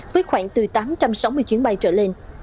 với khoảng từ tám trăm sáu mươi chuyến bay trở lên